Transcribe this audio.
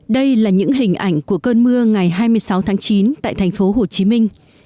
đây là những hình ảnh của cơn mưa ngày hai mươi sáu tháng chín tại thành phố hồ chí minh